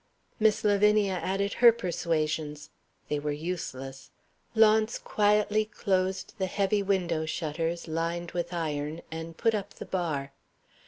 Miss Lavinia added her persuasions. They were useless. Launce quietly closed the heavy window shutters, lined with iron, and put up the bar.